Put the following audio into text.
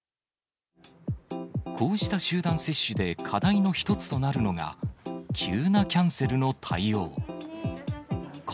こうした集団接種で課題の一つとなるのが急なキャンセルの対応。